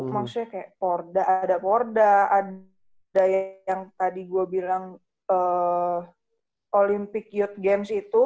maksudnya kayak porda ada porda ada yang tadi gue bilang olympic youth games itu